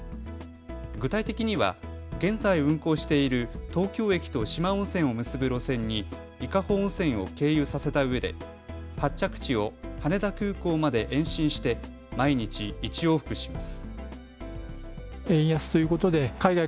具体的には現在、運行している東京駅と四万温泉を結ぶ路線に伊香保温泉を経由させたうえで発着地を羽田空港まで延伸して毎日１往復します。